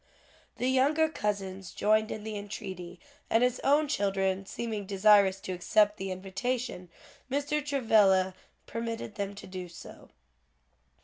The younger cousins joined in the entreaty, and his own children seeming desirous to accept the invitation, Mr. Travilla permitted them to do so.